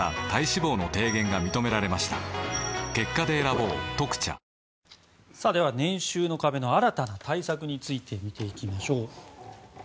ぷっ事実「特茶」では、年収の壁の新たな対策について見ていきましょう。